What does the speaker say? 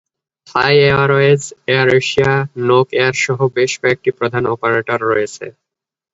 থাই Airways, Air Asia, Nok Air সহ বেশ কয়েকটি প্রধান অপারেটর রয়েছে।